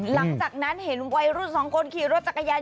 หลังจากนั้นเห็นวัยรุ่นสองคนขี่รถจักรยาน